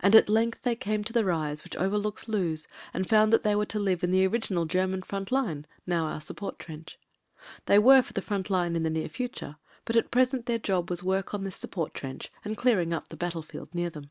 And at length they came to the rise which overlooks Loos and found they were to live in the original German front line — ^now our support trench. They were for the front line in the near future — but at present their job was work on this support trench and clearing up the battlefield near them.